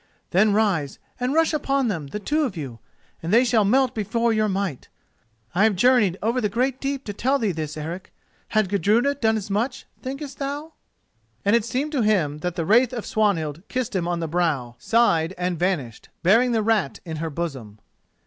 Then rise and rush upon them, the two of you, and they shall melt before your might. I have journeyed over the great deep to tell thee this, Eric! Had Gudruda done as much, thinkest thou?" And it seemed to him that the wraith of Swanhild kissed him on the brow, sighed and vanished, bearing the rat in her bosom.